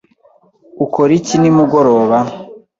Ukora iki nimugoroba?